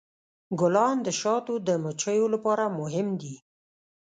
ګلان د شاتو د مچیو لپاره مهم دي.